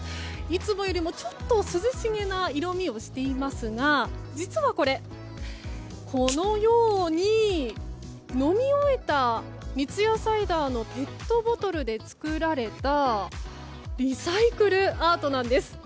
いつもよりもちょっと涼しげな色味をしていますが実はこのように飲み終えた三ツ矢サイダーのペットボトルで作られたリサイクルアートなんです。